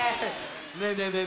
ねえねえねえねえ